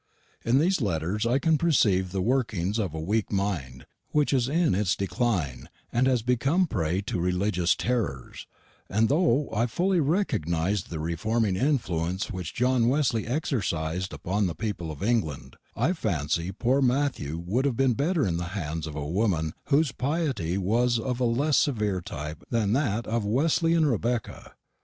In these letters I can perceive the workings of a weak mind, which in its decline has become a prey to religious terrors; and though I fully recognise the reforming influence which John Wesley exercised upon the people of England, I fancy poor Matthew would have been better in the hands of a woman whose piety was of a less severe type than that of Wesleyan Rebecca.